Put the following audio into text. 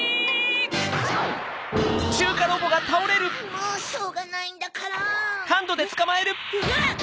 もうしょうがないんだから。えっ！